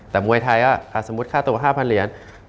แต่มวยไทยก็สมมุติค่าตัว๕๐๐เหรียญ